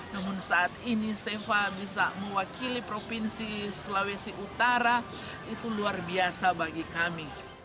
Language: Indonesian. namun saat ini stefa bisa mewakili provinsi sulawesi utara itu luar biasa bagi kami